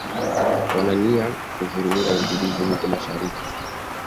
Wana nia ya kuvuruga utulivu huko mashariki